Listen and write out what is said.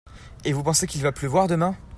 Et vous pensez qu'il va pleuvoir demain ?